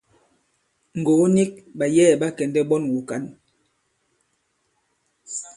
Ŋgògo nik, ɓàyɛ̌ɛ̀ ɓa kɛ̀ndɛ̀ ɓɔn wùkǎn.